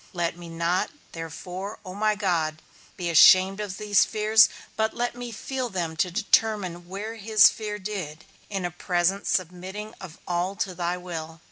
Let me not therefore, O my God, be ashamed of these fears, but let me feel them to determine where his fear did, in a present submitting of all to thy will.